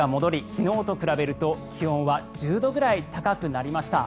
昨日と比べると気温は１０度ぐらい高くなりました。